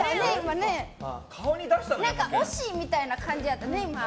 惜しいみたいな感じやったね。